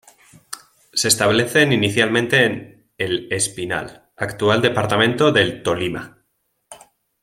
Se establecen inicialmente en El Espinal, actual departamento del Tolima.